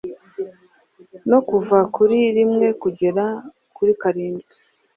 no kuva kuri rimwe kugera kuri karindwi?